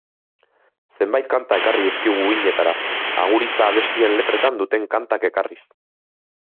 Zenbait kanta ekarri dizkigu uhinetara, agur hitza abestien letretan duten kantak ekarriz.